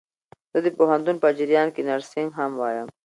زه د پوهنتون په جریان کښي نرسينګ هم وايم.